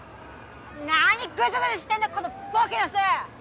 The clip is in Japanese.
何グズグズしてんだこのボケナス！